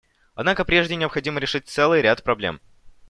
Однако прежде необходимо решить целый ряд проблем.